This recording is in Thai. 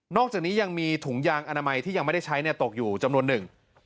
อกจากนี้ยังมีถุงยางอนามัยที่ยังไม่ได้ใช้ตกอยู่จำนวนหนึ่ง